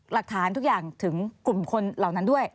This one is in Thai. หลักฐานทุกอย่างถึงกลุ่มคนเหล่านั้นด้วย